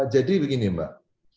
jadi begini mbak